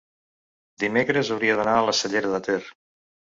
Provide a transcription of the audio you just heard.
dimecres hauria d'anar a la Cellera de Ter.